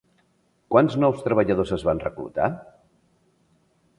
Quants nous treballadors es van reclutar?